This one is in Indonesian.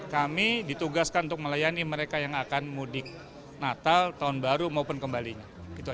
kami ditugaskan untuk melayani mereka yang akan mudik natal tahun baru maupun kembalinya